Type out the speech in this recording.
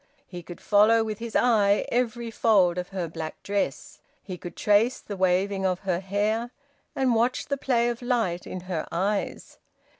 He could follow with his eye every fold of her black dress, he could trace the waving of her hair, and watch the play of light in her eyes.